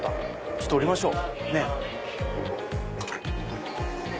ちょっと降りましょう。